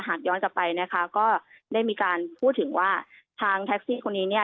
หากย้อนกลับไปนะคะก็ได้มีการพูดถึงว่าทางแท็กซี่คนนี้เนี่ย